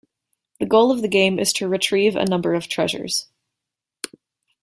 The goal of the game is to retrieve a number of treasures.